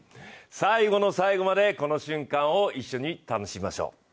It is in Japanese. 最後の最後までこの瞬間を一緒に楽しみましょう。